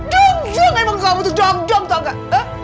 dungjung emang kamu tuh dong dong tau gak